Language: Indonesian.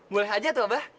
boleh saja pak